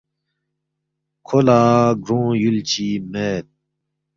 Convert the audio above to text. کھو لا گرونگ یول چی مید۔